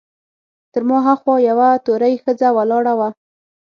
تر ما هاخوا یوه تورۍ ښځه ولاړه وه.